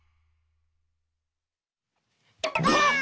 ばあっ！